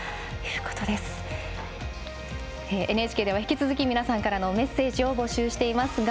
ＮＨＫでは引き続き皆さんからのメッセージを募集しています。